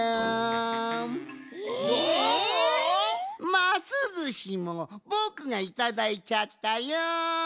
ますずしもぼくがいただいちゃったよん。